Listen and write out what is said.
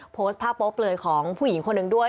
โพสต์ภาพโป๊เปลือยของผู้หญิงคนหนึ่งด้วย